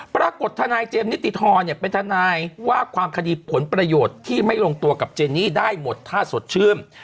ทนายเจมส์นิติธรเป็นทนายว่าความคดีผลประโยชน์ที่ไม่ลงตัวกับเจนี่ได้หมดท่าสดชื่น